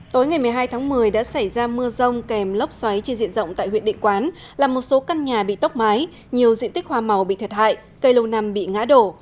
tối ngày một mươi hai tháng một mươi đã xảy ra mưa rông kèm lốc xoáy trên diện rộng tại huyện địa quán làm một số căn nhà bị tốc mái nhiều diện tích hoa màu bị thiệt hại cây lâu năm bị ngã đổ